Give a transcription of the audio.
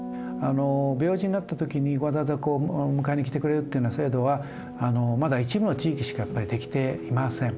病児になった時にわざわざ迎えに来てくれるっていうような制度はまだ一部の地域しか出来ていません。